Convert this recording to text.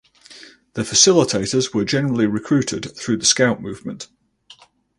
The facilitators were generally recruited through the scout movement.